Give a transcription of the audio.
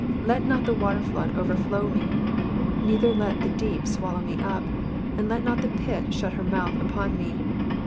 15 Let not the waterflood overflow me, neither let the deep swallow me up, and let not the pit shut her mouth upon me.